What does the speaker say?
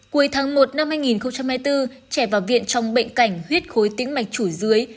cuối tháng một năm hai nghìn hai mươi bốn trẻ vào viện trong bệnh cảnh huyết khối tĩnh mạch chủi dưới